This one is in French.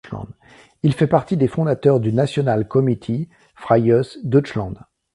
Il fait partie des fondateurs du Nationalkomitee Freies Deutschland.